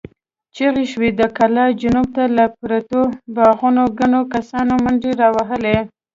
چيغې شوې، د کلا جنوب ته له پرتو باغونو ګڼو کسانو منډې را وهلې.